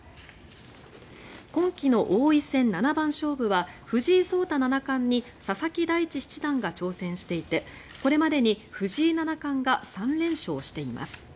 今期の王位戦七番勝負は藤井聡太七冠に佐々木大地七段が挑戦していてこれまでに藤井七冠が３連勝しています。